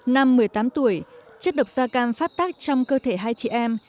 năm một mươi tám tuổi chất độc da cam phát tác trong cơ thể hai chị em